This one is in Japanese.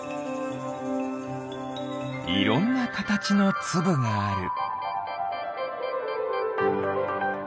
いろんなカタチのつぶがある。